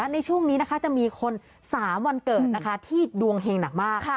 ในช่วงนี้จะมีคน๓วันเกิดที่ดวงแห่งหนักมาก